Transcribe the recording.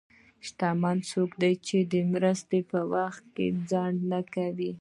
شتمن څوک دی چې د مرستې په وخت کې ځنډ نه کوي.